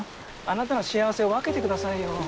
あなたの幸せを分けてくださいよ。